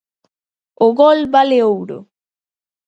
O gol vale ouro.